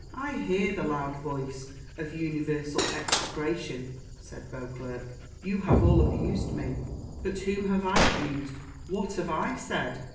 "I hear the loud voice of universal execration," said Beauclerc; "you have all abused me, but whom have I abused? What have I said?"